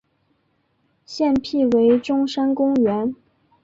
现辟为中山公园。